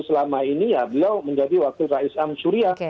selama ini ya belum menjadi wakil rais amsyuria